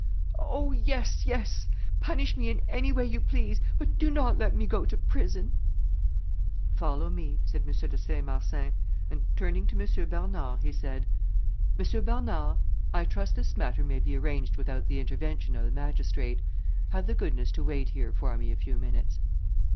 "Oh! yes! yes! Punish me in any way you please, but do not let me go to prison." "Follow me," said M. de Saint Marsin; and turning to M. Bernard, he said, "M. Bernard, I trust this matter may be arranged without the intervention of the magistrate; have the goodness to wait here for me a few minutes."